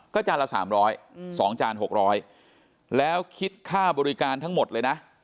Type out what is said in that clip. จานละ๓๐๒จาน๖๐๐แล้วคิดค่าบริการทั้งหมดเลยนะ